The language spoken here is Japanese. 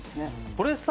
これさ